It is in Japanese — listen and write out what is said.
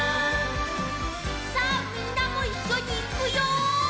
さあみんなもいっしょにいくよ！